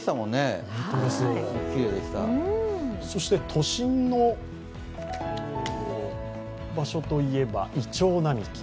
そして都心の場所といえばいちょう並木。